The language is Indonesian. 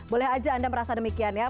boleh aja anda merasa demikian ya